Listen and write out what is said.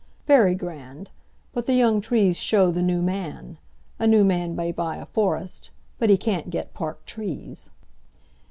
"Very grand; but the young trees show the new man. A new man may buy a forest; but he can't get park trees."